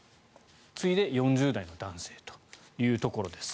次いで４０代の男性というところです。